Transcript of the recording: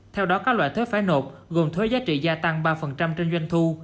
theo đó các loại thuế phải nộp gồm thuế giá trị gia tăng ba trên doanh thu